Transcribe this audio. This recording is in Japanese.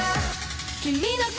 「君の声」